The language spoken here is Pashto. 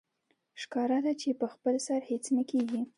ښکاره ده چې په خپل سر هېڅ نه کېږي